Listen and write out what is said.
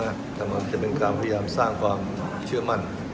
มันคงไม่ใช่สเตอร์ไพรส์มากแต่มันจะเป็นการพยายามสร้างความเชื่อมั่น